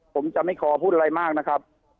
ผมจะไม่ขอพูดอะไรมากนะครับ